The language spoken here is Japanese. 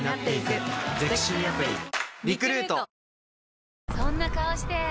誕生そんな顔して！